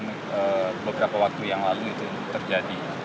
beberapa waktu yang lalu itu terjadi